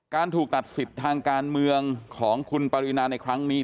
ถูกตัดสิทธิ์ทางการเมืองของคุณปรินาในครั้งนี้